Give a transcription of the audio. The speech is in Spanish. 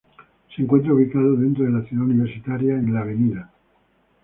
Se encuentra ubicada dentro de la ciudad universitaria y en la Av.